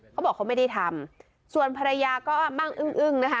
เขาบอกเขาไม่ได้ทำส่วนภรรยาก็มั่งอึ้งอึ้งนะคะ